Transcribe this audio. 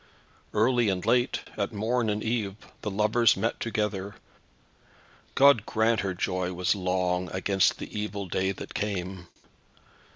Early and late, at morn and eve, the lovers met together. God grant her joy was long, against the evil day that came.